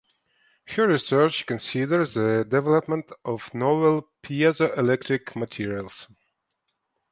Her research considers the development of novel piezoelectric materials.